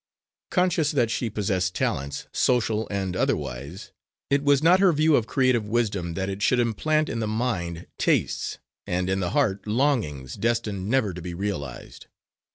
Conscious that she possessed talents, social and otherwise, it was not her view of creative wisdom that it should implant in the mind tastes and in the heart longings destined never to be realised.